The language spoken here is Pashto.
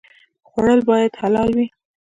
خوړل باید حلال وي